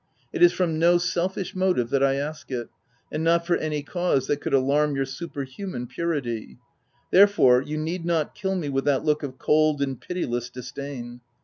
It is from no selfish motive that I ask it, and not for any cause that could alarm your super human purity ; therefore, you need not kill me with that look of cold and pitiless disdain.